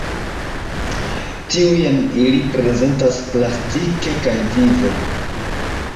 Tiujn ili prezentas plastike kaj vive.